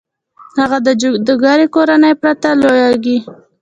هغه د جادوګرې کورنۍ پرته لوېږي.